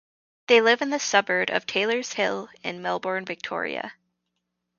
They live in the suburb of Taylors Hill, in Melbourne, Victoria.